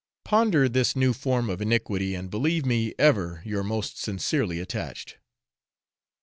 Ponder this new form of iniquity, and believe me ever your most sincerely attached.